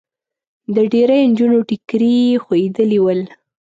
د ډېریو نجونو ټیکري خوېدلي ول.